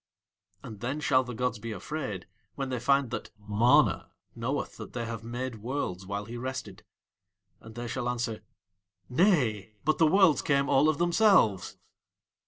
And then shall the gods be afraid when they find that MANA knoweth that they have made Worlds while he rested. And they shall answer: "Nay; but the Worlds came all of themselves."